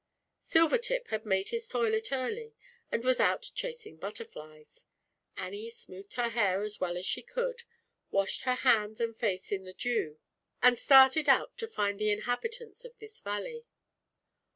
Silvertip had made his toilet early, and was out chasing butterflies. Annie smoothed her hair as well as she could, washed her hands and face in the dew, i3t37* (Sf ZAUBERLINDA, THE WISE WITCH. 193 and started out to find the inhabitants of this valley.